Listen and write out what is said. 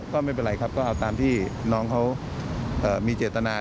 ก็ไม่เป็นไรครับก็เอาตามที่น้องเขามีเจตนา